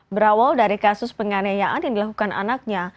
berawal dari kasus penganiayaan yang dilakukan anaknya